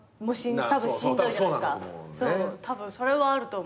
たぶんそれはあると思う。